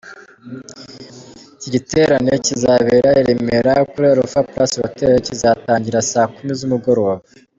Iki giterane kizabera i Remerakuri Alpha Palace Hotel , kizatangira saa kumi z’umugoroba.